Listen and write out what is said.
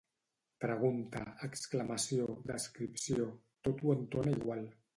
Pregunta, exclamació, descripció, tot ho entona igual